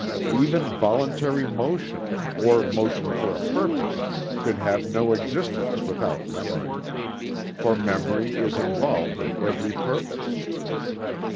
Even voluntary motion, or motion for a purpose, could have no existence without memory, for memory is involved in every purpose.